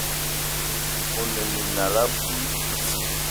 One minal abui.